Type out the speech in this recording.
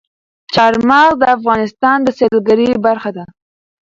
چار مغز د افغانستان د سیلګرۍ برخه ده.